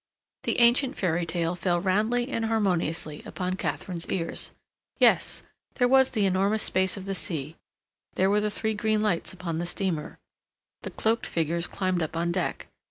The ancient fairy tale fell roundly and harmoniously upon Katharine's ears. Yes, there was the enormous space of the sea; there were the three green lights upon the steamer; the cloaked figures climbed up on deck.